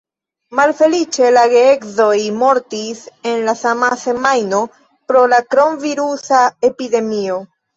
Malfeliĉe, la geedzoj mortis en la sama semajno pro la kronvirusa epidemio.